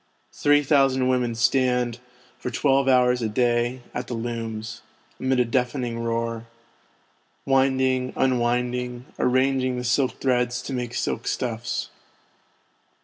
Three thousand women stand, for twelve hours a day, at the looms, amid a deafening roar ; winding, unwinding, arranging the silk threads to make silk stuffs.